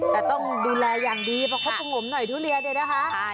แต่ต้องดูแลอย่างดีเพราะเขาสงบหน่อยทุเรียนเนี่ยนะคะ